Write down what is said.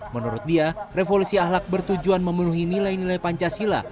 menurut dia revolusi ahlak bertujuan memenuhi nilai nilai pancasila